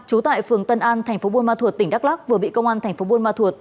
trú tại phường tân an tp buôn ma thuột tỉnh đắk lắc vừa bị công an tp buôn ma thuột